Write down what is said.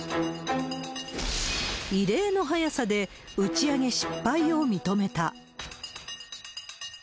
異例の早さで打ち上げ失敗を認めた。